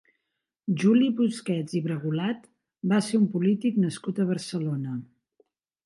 Juli Busquets i Bragulat va ser un polític nascut a Barcelona.